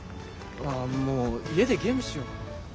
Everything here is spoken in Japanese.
ああもう家でゲームしよ。